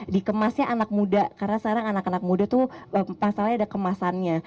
dikemasnya anak muda karena sekarang anak anak muda tuh pasalnya ada kemasannya